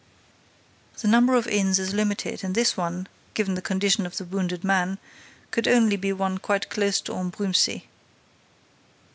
The number of inns is limited and this one, given the condition of the wounded man, could only be one quite close to Ambrumésy.